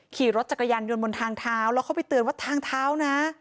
ขี่รถจักรยานยนต์บนทางเท้าแล้วเขาไปเตือนว่าทางเท้านะ